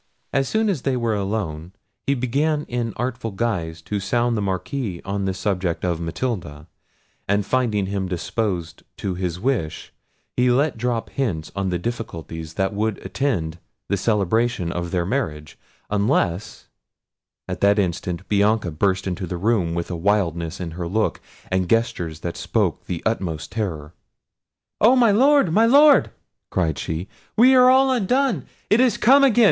As soon as they were alone, he began in artful guise to sound the Marquis on the subject of Matilda; and finding him disposed to his wish, he let drop hints on the difficulties that would attend the celebration of their marriage, unless—At that instant Bianca burst into the room with a wildness in her look and gestures that spoke the utmost terror. "Oh! my Lord, my Lord!" cried she; "we are all undone! it is come again!